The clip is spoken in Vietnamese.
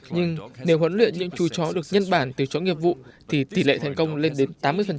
nhưng nếu huấn luyện những chú chó được nhân bản từ chó nghiệp vụ thì tỷ lệ thành công lên đến tám mươi